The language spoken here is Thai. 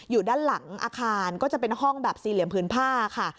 อยู่ด้านหลังอาคารก็จะเป็นห้องแบบสี่เหลี่ยมพื้นผ้าค่ะ